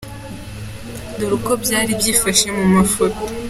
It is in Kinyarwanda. Dore uko byari byifashe mu mafoto